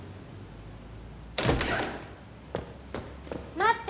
待って！